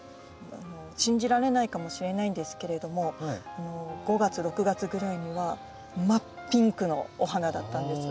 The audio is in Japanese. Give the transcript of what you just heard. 信じられないかもしれないんですけれども５月６月ぐらいには真っピンクのお花だったんです。